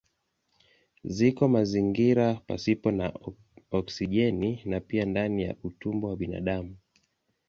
Ziko mazingira pasipo na oksijeni na pia ndani ya utumbo wa binadamu.